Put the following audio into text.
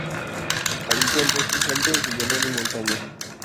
Habita en bosques áridos de llanura y montaña.